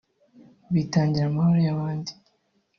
bitangira amahoro y’abandi